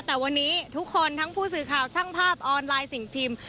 แต่วันนี้ทุกคนทั้งผู้สื่อข่าวช่างภาพออนไลน์สิ่งพิมพ์